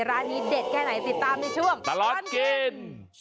ร้านนี้เด็ดแค่ไหนติดตามในช่วงตลอดกิน